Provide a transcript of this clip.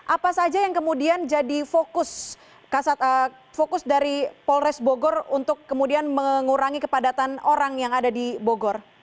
apa saja yang kemudian jadi fokus dari polres bogor untuk kemudian mengurangi kepadatan orang yang ada di bogor